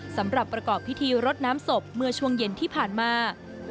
สำหรับประกอบพิธีรดน้ำศพเมื่อช่วงเย็นที่ผ่านมา